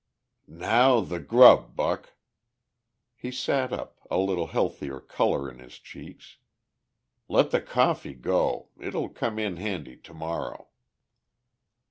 "Now, the grub, Buck." He sat up, a little healthier color in his cheeks. "Let the coffee go; it'll come in handy tomorrow."